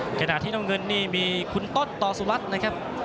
ในกระดาษน้ำเงินนี้มีคุณต้นตอสุรัทธ์นะครับ